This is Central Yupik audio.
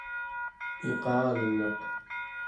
iqalungaq